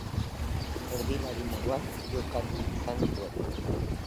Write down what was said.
Erdilari moduan jokatu izan zuen.